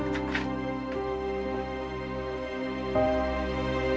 terima kasih war